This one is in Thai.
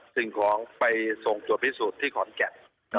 สิ่งของไปส่งตรวจพิสูจน์ที่ขอนแก่น